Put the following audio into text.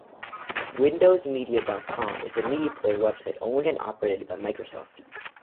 WindowsMedia dot com is a media player website owned and operated by Microsoft.